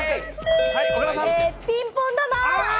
ピンポン玉！